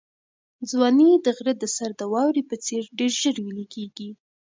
ځواني د غره د سر د واورې په څېر ډېر ژر ویلې کېږي.